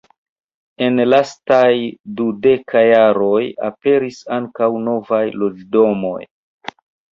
En lastaj dudeka jaroj aperis ankaŭ novaj loĝdomoj.